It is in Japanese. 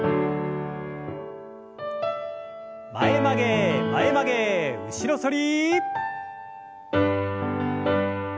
前曲げ前曲げ後ろ反り。